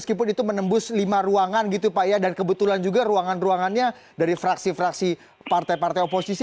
meskipun itu menembus lima ruangan gitu pak ya dan kebetulan juga ruangan ruangannya dari fraksi fraksi partai partai oposisi